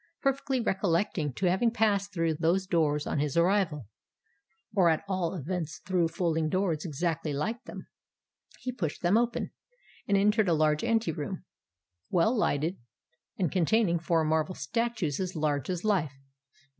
Perfectly recollecting to have passed through those doors on his arrival—or at all events through folding doors exactly like them—he pushed them open, and entered a large ante room, well lighted, and containing four marble statues as large as life.